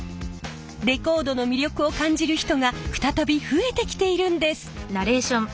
レコードの魅力を感じる人が再び増えてきているんです。